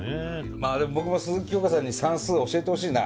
まあでも僕も鈴木京香さんに算数教えてほしいな。